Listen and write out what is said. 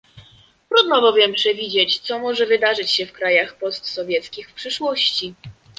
Trudno bowiem przewidzieć, co może wydarzyć się w krajach postsowieckich w przyszłości